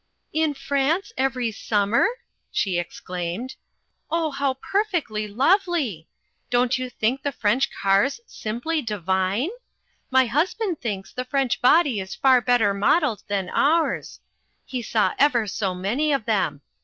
"In France every summer?" she exclaimed. "Oh, how perfectly lovely. Don't you think the French cars simply divine? My husband thinks the French body is far better modelled than ours. He saw ever so many of them.